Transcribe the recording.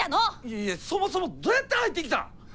いやいやそもそもどうやって入ってきたん！？